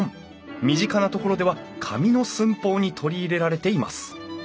身近なところでは紙の寸法に取り入れられています。